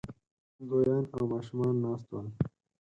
لويان او ماشومان ناست ول